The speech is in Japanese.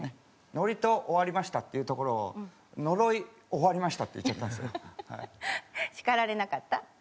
「祝詞終わりました」って言うところを「呪い終わりました」って言っちゃったんですよ。